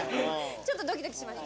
ちょっとドキドキします。